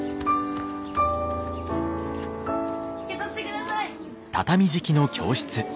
受け取ってください！